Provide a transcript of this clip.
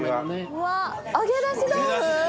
うわっ揚げ出し豆腐！